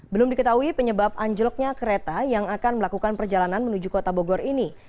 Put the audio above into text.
belum diketahui penyebab anjloknya kereta yang akan melakukan perjalanan menuju kota bogor ini